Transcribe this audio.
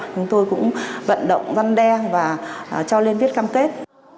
chúng tôi cũng vận động văn đe và cho liên viết cam kết